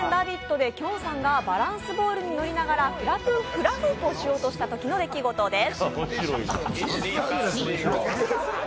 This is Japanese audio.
できょんさんがバランスボールに乗りながらフラフープをしようとしたときの出来事です。